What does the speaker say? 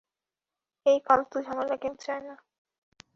এই ফালতু ঝামেলা কেউ চায় না।